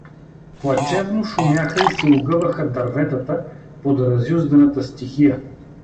Плачевно шумяха и се огъваха дърветата под разюзданата стихия.